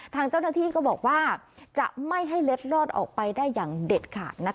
ทางเจ้าหน้าที่ก็บอกว่าจะไม่ให้เล็ดลอดออกไปได้อย่างเด็ดขาด